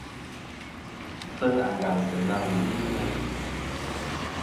Wu tî leŋ àngàŋtɨ na wù ni meyn.